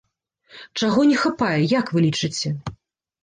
Чаго не хапае, як вы лічыце?